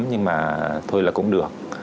nhưng mà thôi là cũng được